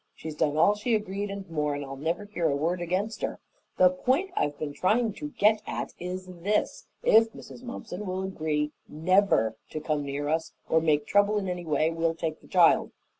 She's done all she agreed and more, and I'll never hear a word against her. The point I've been trying to get at is this: If Mrs. Mumpson will agree never to come near us or make trouble in any way, we'll take the child.